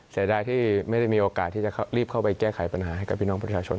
เสียดายที่ไม่ได้มีโอกาสที่จะรีบเข้าไปแก้ไขปัญหาให้กับพี่น้องประชาชน